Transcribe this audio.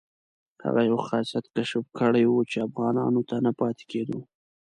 هغه یو خاصیت کشف کړی وو چې افغانانو ته نه پاتې کېدو.